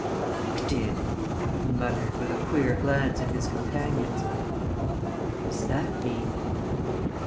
"Locked in!" he muttered with a queer glance at his companions. "What does that mean?"